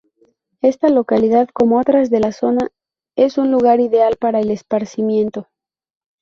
Esta localidad, como otras de la zona, es un lugar ideal para el esparcimiento.